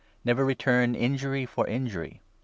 Never return injury for injury.